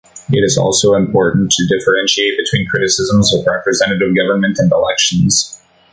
It is also important to differentiate between criticisms of representative government and elections.